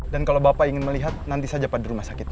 kalau bapak ingin melihat nanti saja pada rumah sakit